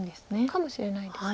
かもしれないです。